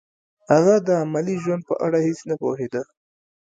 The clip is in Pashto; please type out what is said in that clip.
هغه د عملي ژوند په اړه هیڅ نه پوهېده